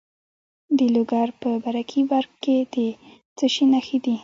د لوګر په برکي برک کې د څه شي نښې دي؟